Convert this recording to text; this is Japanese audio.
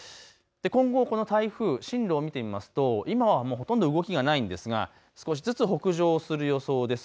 今後この台風、進路を見てみますと今はもうほとんど動きがないんですが、少しずつ北上する予想です。